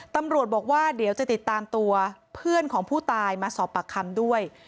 ตำรวจบอกว่าเดี๋ยวจะติดตามตัวเพื่อนของผู้ตายมาสอบปากคำด้วย